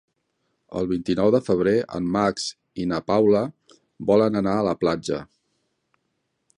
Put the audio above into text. El vint-i-nou de febrer en Max i na Paula volen anar a la platja.